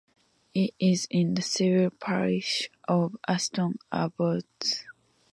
It is in the civil parish of Aston Abbotts.